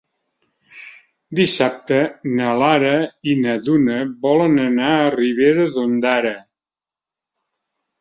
Dissabte na Lara i na Duna volen anar a Ribera d'Ondara.